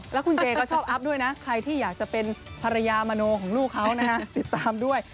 แล้วคุณเจก็ชอบอัพด้วยนะใครที่อยากจะเป็นภรรยามโนของลูกเขานะฮะติดตามด้วย